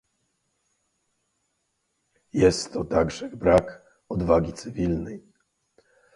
"Jest to także brak odwagi cywilnej."